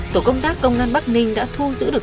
tổ công tác công an bắc ninh đã thu giữ được